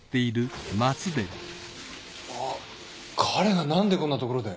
あっ彼がなんでこんなところで。